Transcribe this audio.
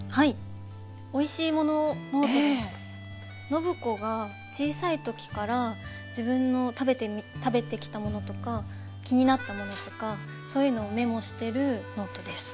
暢子が小さい時から自分の食べてきたものとか気になったものとかそういうのをメモしてるノートです。